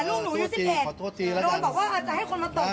ขอโทษทีขอโทษทีนะครับ